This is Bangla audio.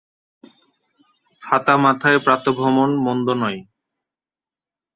ছাতা মাথায় প্রাতঃভ্রমণ মন্দ নয়।